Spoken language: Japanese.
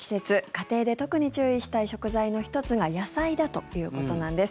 家庭で特に注意したい食材の１つが野菜だということなんです。